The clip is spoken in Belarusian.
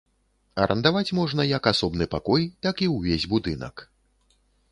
Арандаваць можна як асобны пакой, так і ўвесь будынак.